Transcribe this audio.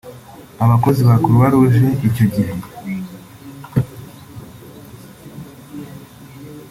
abakozi ba Croix Rouge icyo gihe